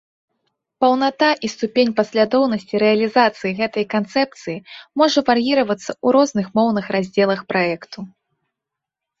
Паўната і ступень паслядоўнасці рэалізацыі гэтай канцэпцыі можа вар'іравацца ў розных моўных раздзелах праекту.